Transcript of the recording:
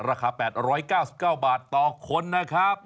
ราคา๘๙๙บาทต่อคนนะครับ